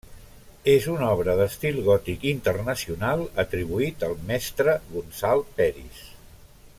És una obra d'estil gòtic internacional, atribuït al mestre Gonçal Peris.